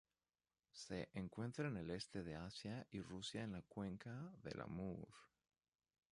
Se encuentra en el este de Asia y Rusia en la cuenca del Amur.